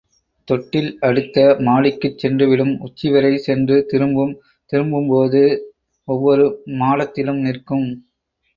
தொட்டில் அடுத்த மாடிக்குச் சென்றுவிடும், உச்சிவரை சென்று திரும்பும் திரும்பும்போது ஒவ்வொரு மாடத்திலும் நிற்கும்.